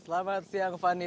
selamat siang fani